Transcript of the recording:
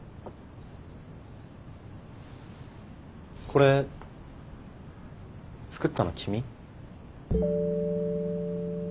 これ作ったの君？